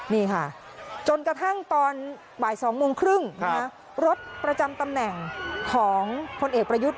นี่ค่ะจนกระทั่งตอนบ่าย๒โมงครึ่งรถประจำตำแหน่งของพลเอกประยุทธ์